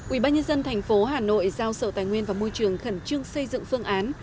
ubnd tp hà nội giao sở tài nguyên và môi trường khẩn trương xây dựng phương án